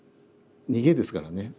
逃げですからね。